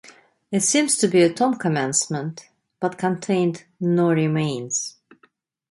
It seems to be a tomb-commencement, but contained no remains.